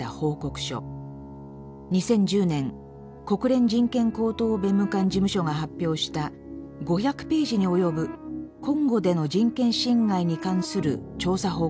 ２０１０年国連人権高等弁務官事務所が発表した５００ページに及ぶコンゴでの人権侵害に関する調査報告書です。